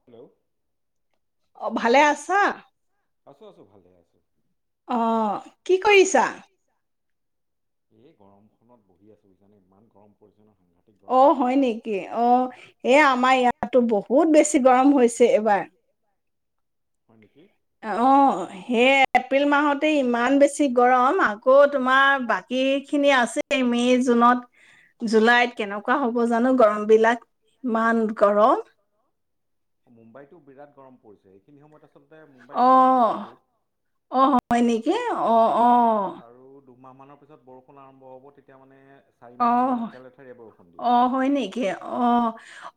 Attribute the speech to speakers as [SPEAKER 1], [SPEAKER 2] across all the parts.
[SPEAKER 1] Hello
[SPEAKER 2] অ ভালে আছা
[SPEAKER 1] আছো আছো ভালে আছো
[SPEAKER 2] অ কি কৰিছা
[SPEAKER 1] এই গৰম খনত বহি আছো বিছানে ইমান গৰম পৰিছে ন
[SPEAKER 2] অ হয় নেকি অ এই আমাৰ ইয়াতো বহুত বেছি গৰম হৈছে এবাৰ
[SPEAKER 1] প নেকি
[SPEAKER 2] অ সেই এপ্ৰিল মাহতে ইমান বেছি গৰম আকৌ আক' তোমাৰ বাকী খিনি আছে মে' জুনত জুলাইত কেনেকুৱা হ'ব জানো গৰম বিলাক ইমান গৰম
[SPEAKER 1] মুম্বাইতো বিৰাট গৰম পৰিছে এইখিনি সময়ত আ
[SPEAKER 2] অ অ হয় নেকি এ অ অঁ
[SPEAKER 1] দুমাহমানৰ পিছত বৰষুণ আৰম্ভ হ'ব তেতিয়া মানে
[SPEAKER 2] আহ আহ হয় নেকি আহ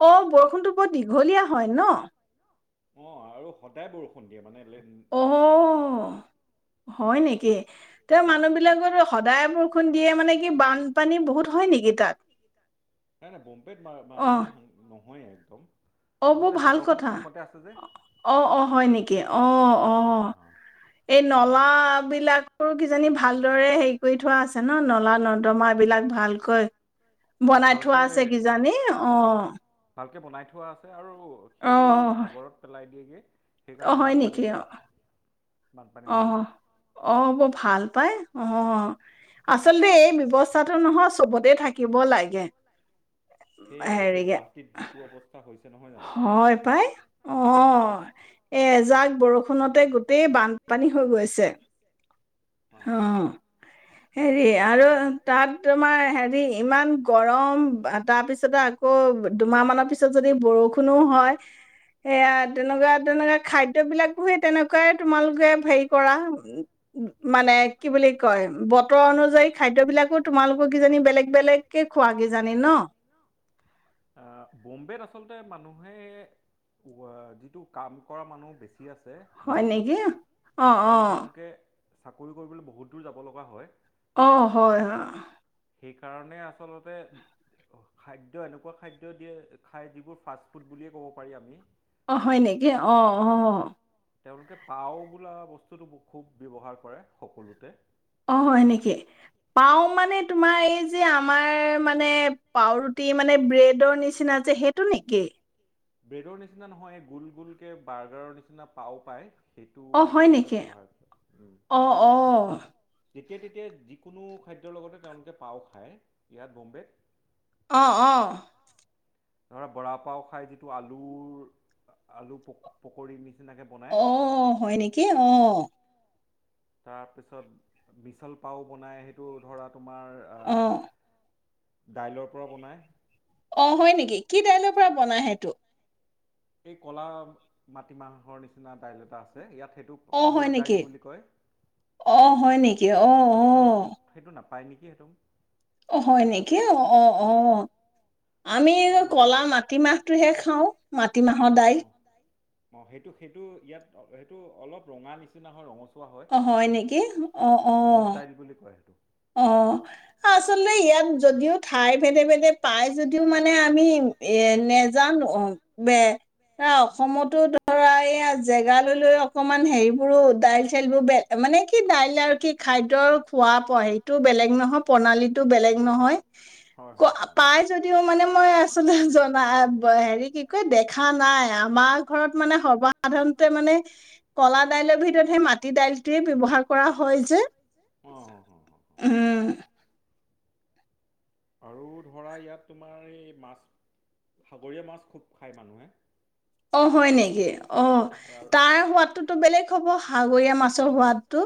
[SPEAKER 2] অ বৰষুণতো বৰ দীঘলীয়া হয় ন
[SPEAKER 1] অ আৰু সদায় বৰষুণ দিয়ে মানে আলে উ
[SPEAKER 2] হয় নেকি তেওঁ মানুহ বিলাকৰ সদায় বৰষুণ দিয়ে মানে কি বানপানী বহুত হয় নেকি তাত
[SPEAKER 1] নাই নাই বম্পেত বানপানীা নহয়ে কম
[SPEAKER 2] অ বৌ ভাল কথা অ অ হয় নেকি অ অ এই নল বিলাকৰ [unintelligible] ভালদৰে হেৰি কৰি থোৱা আছে ন নলা নৰ্দমা এইবিলাক ভালকৈ বনাই থোৱা আছে কিজানি অ
[SPEAKER 1] বনাই থোৱা আছে আৰু [unintelligible] সেইবোৰ সাগৰত পেলাই দিয়েগে। সেইকাৰণে বানপানীয়ে
[SPEAKER 2] অ, অ, অ মোৰ ভাল। [inaudible] আচলতে এই ব্যৱস্থাটো নহয় চবতে থাকিব লাগে। হেৰি, আচলতে এই ব্যৱস্থাটো নহয় চবতে থাকিব লাগে। হেৰি, হয় পাই অ। হয় পা এ এজাক বৰষুণতে গোটেই বান পানী হৈ গৈছে অ হেৰি আৰু তাত তোমাৰ তাত হেৰি ইমান গৰম তাৰপিছতে আকৌ দুমাহ মানৰ পিছত যদি বৰষুণোৰও হয়। সেয়া তেনেকুৱাঁ তেনেকুৱাঁ খাদ্যবিলাক বোৰ সেই তেনেকুৱাই। তোমালোকে হেৰি কৰা মানে কি বুলি কয় বতৰ অনুযায়ী খাদ্যবিলাকো তোমালোকৰ কিজানি, বেলেগ বেলেগকে খোৱা কিজানি ন।
[SPEAKER 1] অ বম্বেত আচলতে [unintelligible] মানুহে, ধৰা যিহেটো কাম কৰা মানুহ বেছি। বেছি আছে যিহেতু আৰু তেওঁলোকে চাকৰি কৰিবলৈ বহুত দূৰ যাব লগা হয়।
[SPEAKER 2] অ', হয় অ'
[SPEAKER 1] সেইকাৰণে আচলতে খাদ্য এনেকুৱাঁ খাদ্য দিয়ে। খাই যিবোৰ ফাষ্ট ফুড বুলিয়ে ক'ব পাৰি আমি
[SPEAKER 2] অ, হয় নেকি অ অ
[SPEAKER 1] তেওঁলোকে পাও বোলা বস্তুটো খুব ব্যৱহাৰ কৰে সকলোতে।
[SPEAKER 2] অ হয় নেকি, পাও মানে তোমাৰ এই যে আমাৰ মানে পাওৰুটি মানে ব্ৰেডৰ নিচিনা যে, সেইটো নেকি?
[SPEAKER 1] ব্ৰেডৰ নিচিনা নহয়। গোল গোলকে বাৰ্গাৰৰ নিচিনা পাও পায়।
[SPEAKER 2] অ হয় নেকি, অ অ'
[SPEAKER 1] যেতিয়া তেতিয়াই যিকোনো খাদ্যৰ লগতে তেওঁলোকে পাও খায়। ইয়াত বোম্বেত
[SPEAKER 2] অ' অ'
[SPEAKER 1] ধৰা বৰা পাও খাই। যিটো আলুৰ, আলু পকৰি নিচ
[SPEAKER 2] অ হয় নেকি, অ
[SPEAKER 1] তাৰপিছত মিছল পাও বনাই সেইটো ধৰা তোমাৰ আ দাইলৰ পৰা বনাই।
[SPEAKER 2] অ' হয় নেকি, কি দাইলৰ পৰা বনাই সেইটো?
[SPEAKER 1] এই কলা মাটিমাহৰ নিচিনা দাইল এটা আছে ইয়াত।
[SPEAKER 2] অ হয় নেকি, অ হয় নেকি, অ' অ'
[SPEAKER 1] পাই নেকি [inaudible]
[SPEAKER 2] অ হয় নেকি অ অ অ আমি কলা মাটিমাহটোহে খাওঁ মাটিমাহৰ দাইল
[SPEAKER 1] অ সেইটো সেইটো ইয়াত সেইটো অলপ ৰঙা নিচিনা হয় ৰঙচুৱা
[SPEAKER 2] অ হয় নেকি অ অ অ আচলতে ইয়াত যদিও ঠাই ভেদে ভেদে পাই যদিও মানে আমি এ নেজান ব অসমতো ধৰা এই জেগালৈ লৈ অকমান হেৰিবোৰো দাইল চাইলবোৰ বেল মানে কি দাইল আৰু কি খাদ্যৰ খোৱা পোৱা সে টো বেলেগ নহয় প্ৰণালীটো বেলেগ নহয় ক পাই যদিও মানে মই আচলতে জনা হেৰি কি কয় দেখা নাই আমাৰ ঘৰত মানে সৰ্বসাধাৰণতে মানে কলা দাইলৰ ভিতৰত সেই মাটি দাইলটোৱে ব্যৱহাৰ কৰা হয় যে উম
[SPEAKER 1] আৰু ধৰা ইয়াত তোমাৰ এই মাছ সাগৰীয়া মাছ খুব খায় মানুহে
[SPEAKER 2] অ হয় নেকি অ তাৰ সোৱাদটোতো বেলেগ হব সাগৰীয়া মাছৰ সোৱাদটো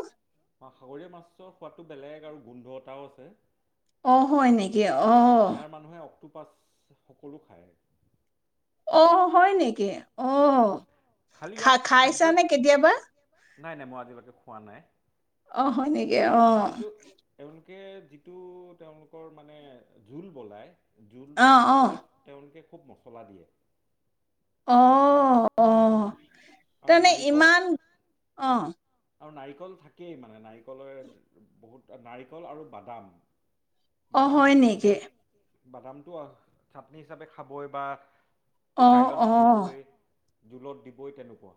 [SPEAKER 1] সাগৰীয়া মাছৰ সোৱাদটো বেলেগ আৰু গোন্ধ এটাও আছে
[SPEAKER 2] অ হয় নেকি অ
[SPEAKER 1] অক্টোপাচ সকলো খায়
[SPEAKER 2] অ হয় নেকি অ খা খাইছা নে কেতিয়াবা
[SPEAKER 1] নাই নাই মই আজিলৈকে খোৱা নাই
[SPEAKER 2] অ হয় নকি অ
[SPEAKER 1] যিটো তেওঁলোকৰ মানে জোল বলাই জুল জুলত তেওঁলোকে খুব মছলা দিয়ে
[SPEAKER 2] অ অ তানে ইমান অ
[SPEAKER 1] আৰু নাৰিকল থাকেই মানে নাৰিকলৰ বহুত নাৰিকল আৰু বাদাম
[SPEAKER 2] অ হয় নেকি
[SPEAKER 1] বাদামটো চাটনি হিচাপে খাবই বা এই দাইলত দিবই জোলত দিবই তেনেকুৱা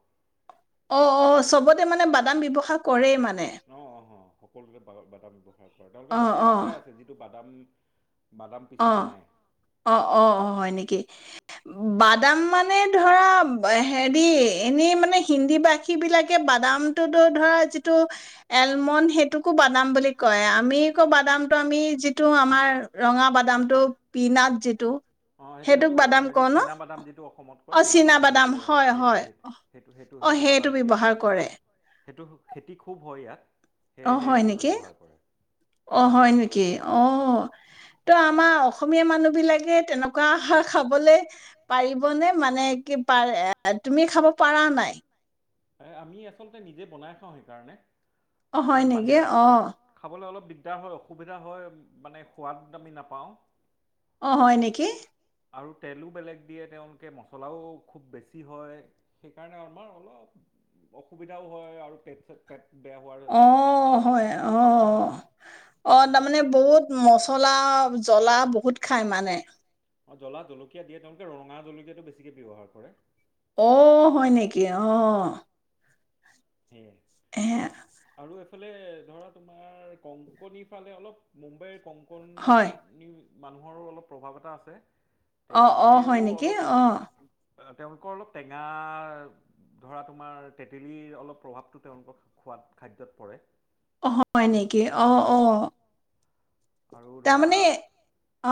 [SPEAKER 2] অ অ চবত তে মানে বাদাম ব্যৱসায় কৰে মানে নে
[SPEAKER 1] সকলোতে বাদা বাদাম ব্যৱহাৰ তেওঁলোকে মছলা এটাই আছে যিটো বাদাম
[SPEAKER 2] অ অ অ অ হয় নেকি? বাদাম মানে ধৰা হেৰি এনেই মানে হিন্দী ভাসী বিলাকে বাদামটোতো ধৰা যিটো এলমণ্ড সেইটোকো বাদাম বুলি কয় আমি বাদামতটো আমি যিটো আমাৰ ৰঙা বাদাম বাদামটো পিনাট যিটো সেইটোক বাদাম ক ন অ চীনা বাদাম হয় হয়, অ সেইটো ব্যৱ্হাৰ কৰে।
[SPEAKER 1] সেইটো খেতি খুব হয় ইয়াত, সেয়েহে সেইটো ব্যৱহাৰ কৰে।
[SPEAKER 2] অ হয় নেকি অ, ত' আমাৰ অসমীয়া মানুহ বিলাকে তেনেকুৱা সাৰ খাবলে পাৰিবনে মানে কি প তুমি খাব পাৰা নাই।
[SPEAKER 1] আমি আচলতে নিজে বনাই খাওঁ সেইকাৰণে
[SPEAKER 2] অ হয় নেকি অ??
[SPEAKER 1] দিগদাৰ হয় অসুবিধা হয় মানে সোৱাদ আমি নাপাওঁ।
[SPEAKER 2] অ হয় নেকি?
[SPEAKER 1] আৰু তেলো বেলেগ দিয়ে তেওঁলোকে মছলাও খুব বেছি হয় সেইকাৰণে আমাৰ অলপ অসুবিধাও হয় আৰু পেট চ পেট
[SPEAKER 2] অঁ হয় অ। অ তাৰমানে বহুত মচলা জ্বলা বহুত খায় মানে।
[SPEAKER 1] অ জলা জলকীয়া দিয়ে তেওঁলোকে ৰঙা জলকীয়াাতটো বেছিকে ব্যৱহাৰ কৰে।
[SPEAKER 2] অ হয় নেকি? অঁ।
[SPEAKER 1] সেয়াই আৰু এ ফালে ধৰা তোমাৰ কংকনিৰ পালে অলপ মুম্বাইৰ কম
[SPEAKER 2] হয়।
[SPEAKER 1] মানুহৰো অলপ প্ৰভাৱ এটা আছে।
[SPEAKER 2] অ অ, হয় নেকি? অ।
[SPEAKER 1] তেওঁলোকৰ অলপ টেঙা, ধৰা তোমাৰ তেতেলীৰ অলপ প্ৰভাৱটো তেওঁলোকৰ খোৱাত, খাদ্যত পৰে।
[SPEAKER 2] অ হয় নেকি? অ অ। তাৰমানানে,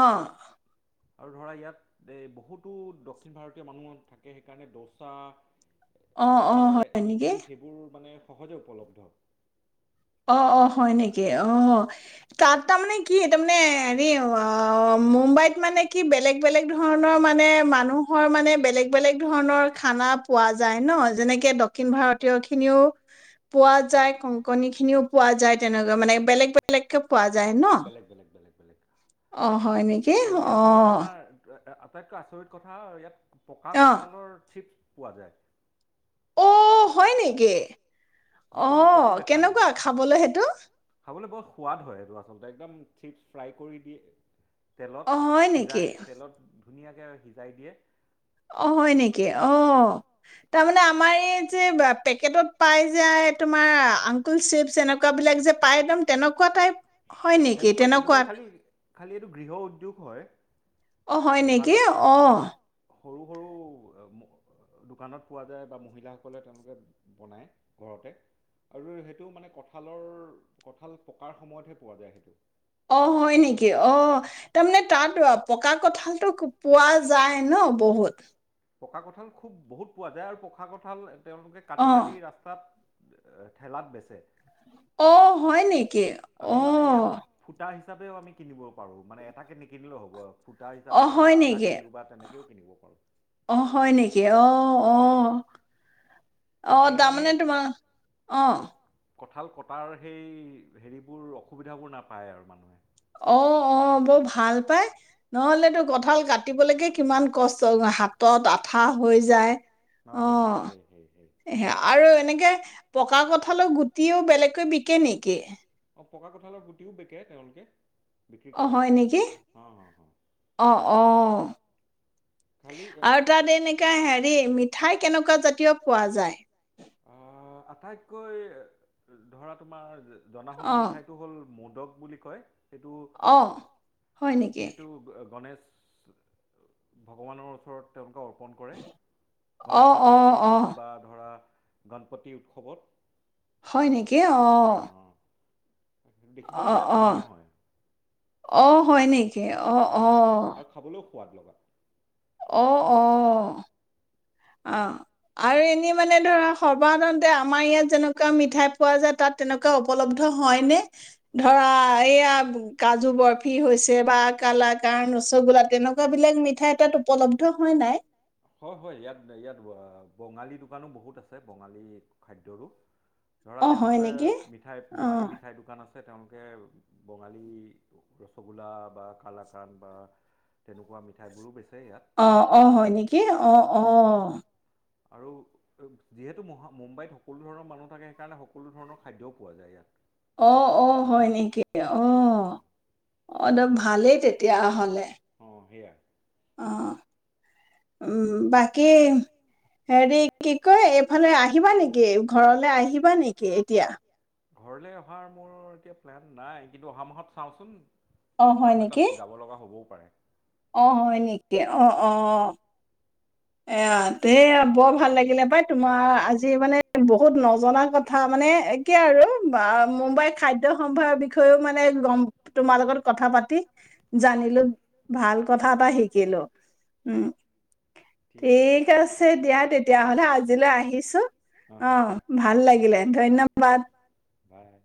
[SPEAKER 2] অহ।
[SPEAKER 1] আৰু ধৰা ইয়াত এ বহুতো দক্ষিণ ভাৰতীয় মানুহ থাকে সেইকাৰণে দচা, দচা, ইডলি সেইবোৰ মানে সহজে উপলব্ধ।
[SPEAKER 2] অ অ হয় নেকি? অ, তাত তাৰমানে কি তাৰ মানে হেৰি আহ মুম্বাইত মানে কি বেলেগ বেলেগ ধৰণৰ মানে মানুহৰ মানে বেলেগ বেলেগ ধৰণৰ খানা পোৱা যায় ন যেনেকে দক্ষিণ ভাৰতীয় খিনিও পোৱা যায় কংকণী নিও পোৱা যায় তেনেহলে, মানে বেলেগ বেলেগকে পোৱা যায় ন? অ, হয় নেকি? অ।
[SPEAKER 1] আটাইতকৈ আচৰিত কথা ইয়াত পকা কঁঠালৰ থিপ পোৱা যায়।
[SPEAKER 2] অ, হয় নেকি? অ, কেনেকুৱা খাবলৈ সেইটো?
[SPEAKER 1] সোৱাদ হয় এইটো আচলতে, একদম চিপছ ফ্ৰাই কৰি দিয়ে। তেলত সিজাই, তেলত ধুনীয়াকে আৰু সিজাই দিয়ে।
[SPEAKER 2] অ, হয় নেকি অ, তাৰমানে আমাৰ এই যে পেকেটত পাই যায়, তোমাৰ আংকুল চিপছ এনেকুৱাবিলাক যে পায় একদম তেনেকুৱা টাইপ
[SPEAKER 1] তেনেকুৱাই তেনেকুৱাই, খালি, খালি এইটো গৃহ উদ্যোগ হয়। দোকানত সৰু সৰু দোকানত পোৱা যায় বা মহিলাসকলে তেওঁলোকে বনায় ঘৰতে আৰু সেইটো মানে কঁঠালৰ কঁঠাল পকাৰ সময়তে পোৱা যায় সেইটো।
[SPEAKER 2] অ, হয় নেকি অহ তাৰমানে তাত পকা কঠালতটো পোৱা যায় ন বহুত?
[SPEAKER 1] পকা কঁঠাল খুব বহুত পোৱা যায় আৰু পকা কঁঠাল তেওঁলোকে কাটি কাটি ৰাস্তাত ঠেলাত বেচে।
[SPEAKER 2] অ, হয় নেকি অ,
[SPEAKER 1] হিচাপেও আমি কিনিব পাৰো মানে এটাকে নিকিনিলেও হ'ব আৰু ফু টা হিচাপে ধৰা আধা কিলো বা তেনেকেও কিনিব পাৰোঁ।
[SPEAKER 2] অ, হয় নেকি? অ, অ', অ'। অ', তাৰমানে তোমাৰ অ'।
[SPEAKER 1] কঁঠাল কটাৰ সেই হেৰিবোৰ অসুবিধাবোৰ নাপায় আৰু মানুহে।
[SPEAKER 2] অ', অ', বৰ ভাল পাই, নহ'লেতো কঠাল কাটিবলেকে কিমান কষ্ট হাতত আঠা হৈ যায়। অ', সেয়া আৰু এনেকে পকা কঁঠালৰ গুটিও বেলেগকৈ বিকে নেকি?
[SPEAKER 1] পকা কঠালৰ গুটিও বিকে তেওঁলোকে।
[SPEAKER 2] অ', হয় নেকি অ', অ', আৰু তাত এনেকা হেৰি মিঠাই কেনেকুৱা জাত কিয় পোৱা যায়?
[SPEAKER 1] অ', আটাইতকৈ ধৰা তোমাৰ জনা শুনা মিঠাইতটো হ'ল মোদক বুলি কয়।
[SPEAKER 2] অ', হয় নেকি?
[SPEAKER 1] ভগৱানৰ ওচৰত তেওঁলোকে অৰ্ ন' কৰে গণেশ চতুৰ্থীত বা ধৰা গণপতি উৎসৱত
[SPEAKER 2] হয় নেকি অ'। অ', অ', অ', হয় নেকি? অ', অ'।
[SPEAKER 1] সোৱাদ লগত
[SPEAKER 2] অ', অ'। অ', আৰু এনেই মানে ধৰা সৰ্বসাধাৰণতে আমাৰ ইয়াত যেনেকুৱা মিঠাই পোৱা যায় তাত তেনেকুৱা উপলব্ধ হয়নে ধৰা এইয়া কাজু বৰফ ই হৈছে বা কলাকান্ড বা ৰসগোল্লা তেনেকুৱা মিঠাই তাত উপলব্ধ হয় নে নাই?
[SPEAKER 1] ইয়াত বঙালী দোকানো বহুত আছে বঙালী খাদ্যৰো। ধৰা তেওঁলোকে মিঠাই বঙালী মিঠাইৰ দোকান আছে। লোকে বঙালী গোল্লা বা কলাকান্ড
[SPEAKER 2] অ', অ', হয় নেকি অ', অ'।
[SPEAKER 1] আৰু যিহেতু মুম্বাইত সকলো ধৰণৰ মানুহ থাকে সেইকাৰণে সকলো ধৰণৰ খাদ্যও পোৱা যায় ইয়াত।
[SPEAKER 2] আহ অ', হয় নেকি অ'। অদম ভালেই তেতিয়া হ'লে।
[SPEAKER 1] অ', সেইয়া
[SPEAKER 2] অ', বাকী হেৰি কি কয় এইফালে আহিবা নেকি ঘৰলৈ আহিবা নেকি এতিয়া।
[SPEAKER 1] ঘৰলৈ অহাৰ মোৰ এতিয়া প্লেন নাই কিন্তু অহা মাহত চাওঁচোন। কাম এটাত যাব লগা হ'বও।
[SPEAKER 2] আহ এ নেকি অ অ আহ তে বৰ ভাল লাগিলে পাই তোমাৰ আজি মানে বহুত নজনা কথা মানে একে আৰু মুম্বাইৰ খাদ্য সম্ভাৰৰ বিষয়েও মানে গম তোমাৰ লগত কথা পাতি জানিলো ভাল কথা এটা শিকিলো উম ঠিক আছে দিয়া তেতিয়াহলে আজিলৈ আহিছো অ ভাল লাগিলে ধন্যবাদ
[SPEAKER 1] হয়াই